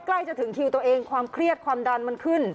ใกล้จะถึงคิวตัวเองความเครียดความดันมันขึ้น